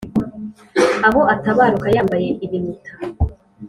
Ahora atabaruka yambaye ibinyita